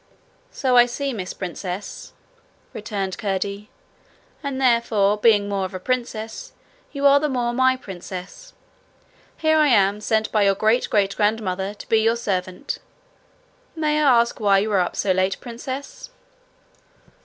'So I see, Miss Princess,' returned Curdie; 'and therefore, being more of a princess, you are the more my princess. Here I am, sent by your great great grandmother, to be your servant. May I ask why you are up so late, Princess?'